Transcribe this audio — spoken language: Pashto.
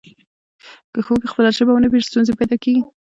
که ښوونکی خپله ژبه ونه پېژني ستونزه پیدا کېږي.